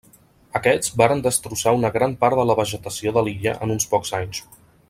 Aquests varen destrossar una gran part de la vegetació de l'illa en uns pocs anys.